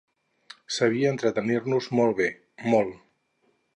Sabia entretenir-nos molt bé, molt.